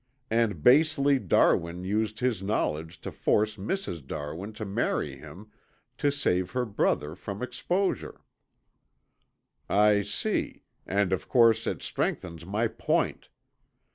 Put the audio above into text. And basely Darwin used his knowledge to force Mrs. Darwin to marry him to save her brother from exposure." "I see, and of course it strengthens my point.